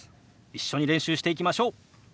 一緒に練習していきましょう。